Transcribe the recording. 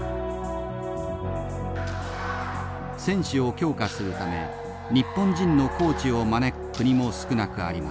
選手を強化するため日本人のコーチを招く国も少なくありません。